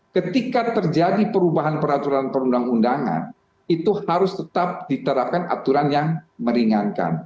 ketika terjadi perubahan peraturan perundang undangan itu harus tetap diterapkan aturan yang meringankan